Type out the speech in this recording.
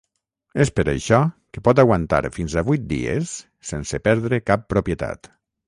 És per això que pot aguantar fins a vuit dies sense perdre cap propietat.